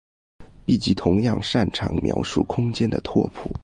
闭集同样擅长描述空间的拓扑。